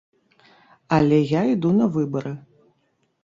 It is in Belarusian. Але я іду на выбары!